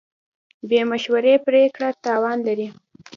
بې مشورې پرېکړه تاوان لري.